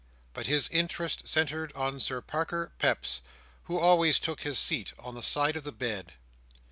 But his interest centred in Sir Parker Peps, who always took his seat on the side of the bed.